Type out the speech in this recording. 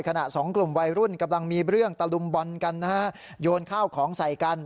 สองกลุ่มวัยรุ่นกำลังมีเรื่องตะลุมบอลกันนะฮะโยนข้าวของใส่กัน